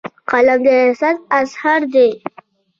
قلم د احساس اظهار دی